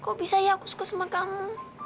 kok bisa ya aku suka sama kamu